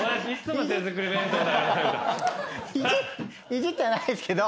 いじってないですけど。